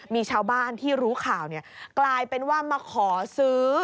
มีชาวบ้านที่รู้ข่าวกลายเป็นว่ามาขอซื้อ